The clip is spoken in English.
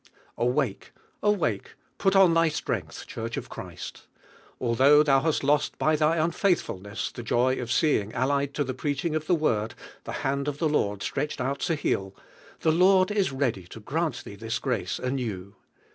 Awake, awake, put on thy Strength, Church of Chria'd Although tli.m hast lost by I'liy unfaithfulness the joj of flee ing allied to the preaching of the Word the hand of the Lord stretched out to heal, the Lord is ready to gran* thee tliis grace anew.